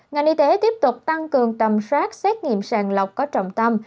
ngành y tế tiếp tục tăng cường tầm soát xét nghiệm sàng lọc có trọng tâm